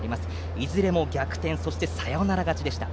いずれも逆転、サヨナラ勝ちでした。